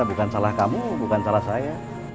bukan salah kamu bukan salah saya